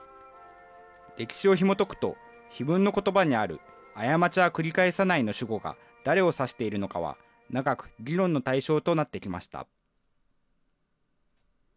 歴史をひもとくと碑文のことばにある、過ちは繰り返さないの主語が、誰を指しているのかは長く議論の対象となってきました。